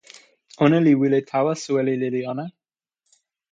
ona li wile tawa soweli lili ona.